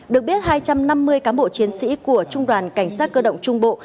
được biết hai trăm năm mươi cán bộ chiến sĩ của trung đoàn cảnh sát cơ động trung bộ